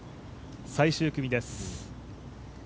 最終組です。